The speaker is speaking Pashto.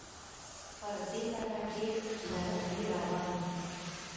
پر دې لاره ډېر لاروي روان وي.